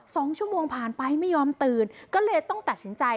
สองชั่วโมงผ่านไปไม่ยอมตื่นก็เลยต้องตัดสินใจ